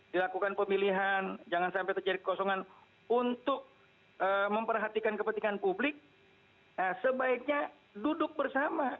dilakukan pemilihan jangan sampai terjadi kekosongan untuk memperhatikan kepentingan publik sebaiknya duduk bersama